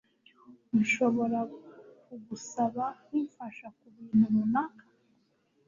Nshobora kugusaba kumfasha kubintu runaka?